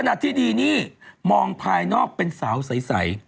ที่ดีนี่มองภายนอกเป็นสาวใส